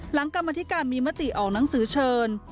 กรรมธิการมีมติออกหนังสือเชิญ